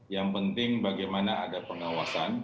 yang penting bagaimana ada pengawasan